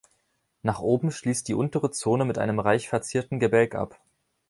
Nach oben schließt die untere Zone mit einem reich verzierten Gebälk ab.